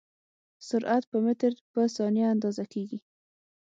سرعت په متر په ثانیه اندازه کېږي.